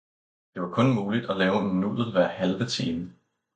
Det var kun muligt at lave en nudel hver halve time.